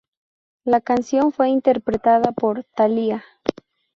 La canción fue interpretada por Thalía.